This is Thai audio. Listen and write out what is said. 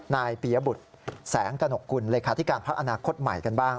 นายปียบุตรแสงกระหนกกุลเลขาธิการพักอนาคตใหม่กันบ้าง